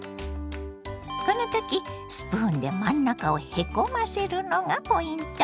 この時スプーンで真ん中をへこませるのがポイント。